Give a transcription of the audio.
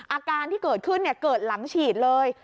อาการที่เกิดขึ้นเกิดหลังฉีดเลย